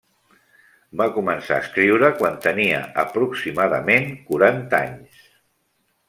Va començar a escriure quan tenia aproximadament quaranta anys.